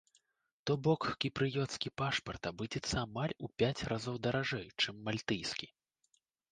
То бок кіпрыёцкі пашпарт абыдзецца амаль у пяць разоў даражэй, чым мальтыйскі.